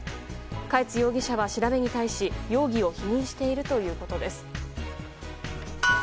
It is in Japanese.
嘉悦容疑者は調べに対し容疑を否認しているということです。